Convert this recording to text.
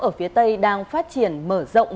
ở phía tây đang phát triển mở rộng